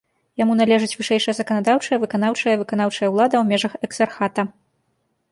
Яму належыць вышэйшая заканадаўчая, выканаўчая і выканаўчая ўлада ў межах экзархата.